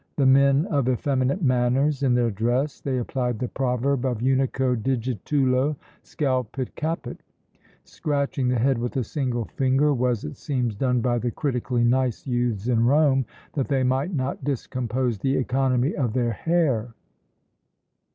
To men of effeminate manners in their dress, they applied the proverb of Unico digitulo scalpit caput. Scratching the head with a single finger was, it seems, done by the critically nice youths in Rome, that they might not discompose the economy of their hair.